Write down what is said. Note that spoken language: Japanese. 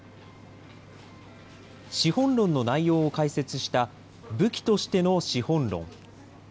資本論の内容を解説した、武器としての資本論。